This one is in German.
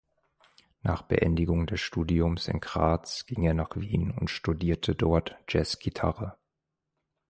Nach Beendigung des Studiums in Graz ging er nach Wien und studierte dort Jazzgitarre.